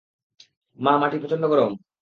মা, মাটি প্রচন্ড গরম।